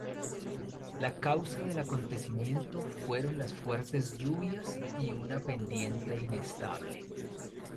La causa del acontecimiento fueron las fuertes lluvias y una pendiente inestable.